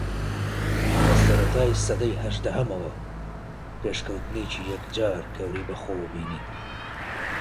لە سەرەتای سەدەی ھەژدەھەمەوە پێشکەوتنێکی یەکجار گەورەی بەخۆوە بینی